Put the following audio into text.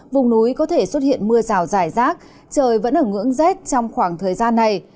vùng núi có thể xuất hiện mưa rào dài rác trời vẫn ở ngưỡng rét trong khoảng thời gian này